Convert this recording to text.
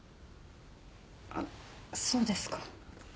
あっそうですか。